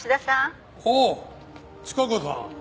ああチカ子さん。